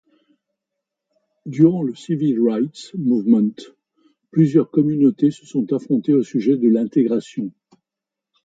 Durant le Civil Rights Movement, plusieurs communautés se sont affrontées au sujet de l'intégration.